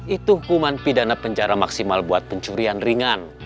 itu hukuman pidana penjara maksimal buat pencurian ringan